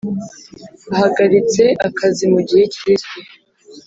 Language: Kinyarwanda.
ahagaritse akazi mu gihe kizwi.